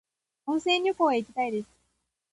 温泉旅行へ行きたいです。